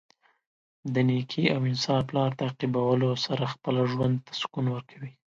د نېکۍ او انصاف لار تعقیبولو سره خپله ژوند ته سکون ورکوي.